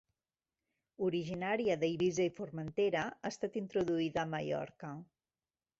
Originària d'Eivissa i Formentera ha estat introduïda a Mallorca.